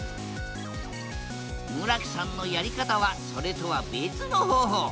村木さんのやり方はそれとは別の方法。